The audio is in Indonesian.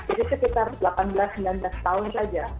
jadi sekitar delapan belas sembilan belas tahun saja